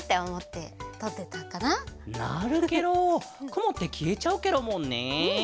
くもってきえちゃうケロもんね。